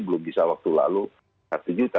belum bisa waktu lalu satu juta